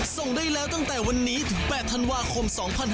ส่งได้แล้วตั้งแต่วันนี้ถึง๘ธันวาคม๒๕๖๒